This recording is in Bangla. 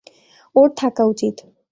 ওর থাকা উচিত।